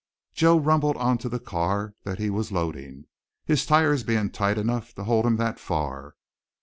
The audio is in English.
Joe rumbled on to the car that he was loading, his tires being tight enough to hold him that far.